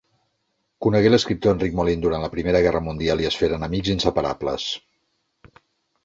Conegué l'escriptor Enric Molin durant la Primera Guerra Mundial i es feren amics inseparables.